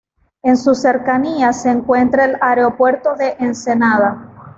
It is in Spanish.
En sus cercanías se encuentra el Aeropuerto de Ensenada.